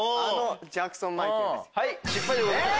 ジャクソン・マイケルです。